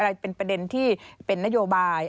อะไรเป็นประเด็นที่เป็นนโยบาย